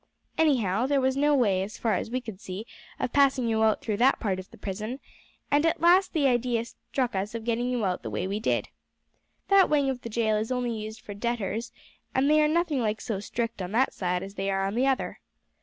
Anyhow, there was no way, as far as we could see, of passing you out through that part of the prison, and at last the idea struck us of getting you out the way we did. That wing of the jail is only used for debtors, and they are nothing like so strict on that side as they are on the other.